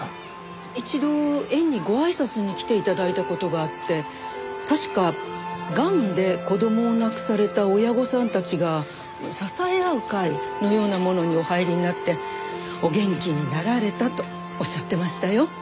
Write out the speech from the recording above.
一度園にご挨拶に来て頂いた事があって確かがんで子供を亡くされた親御さんたちが支え合う会のようなものにお入りになってお元気になられたとおっしゃってましたよ。